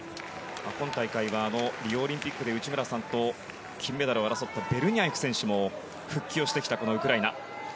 今大会は、リオオリンピックで内村さんと金メダルを争ったベルニャエフ選手も復帰をしてきたウクライナ。